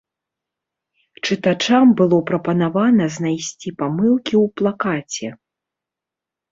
Чытачам было прапанавана знайсці памылкі ў плакаце.